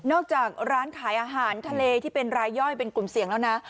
จากร้านขายอาหารทะเลที่เป็นรายย่อยเป็นกลุ่มเสี่ยงแล้วนะ